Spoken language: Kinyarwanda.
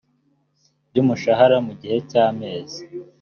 by umushahara mu gihe cy amezi